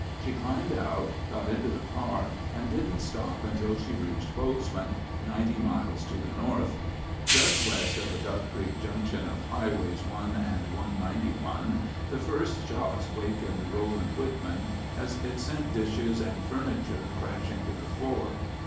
She climbed out, got into the car, and didn't stop until she reached Bozeman, 90 miles to the north. ■ Just west of the Duck Creek Junction of highways 1 and 191, the first shocks wakened Rolland Whitman as it sent dishes and furniture crashing to the floor.